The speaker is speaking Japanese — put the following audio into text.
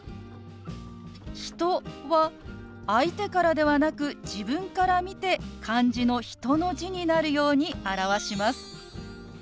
「人」は相手からではなく自分から見て漢字の「人」の字になるように表します。